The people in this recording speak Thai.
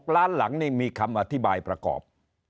ล้านหลังนี่มีคำอธิบายประกอบ